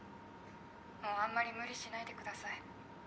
もうあんまり無理しないでください。